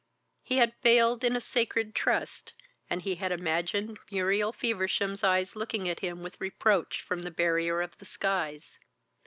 He had failed in a sacred trust, and he had imagined Muriel Feversham's eyes looking at him with reproach from the barrier of the skies.